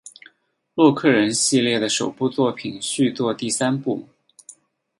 洛克人系列的首部作品续作第三部。